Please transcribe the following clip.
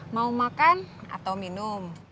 mau makan atau minum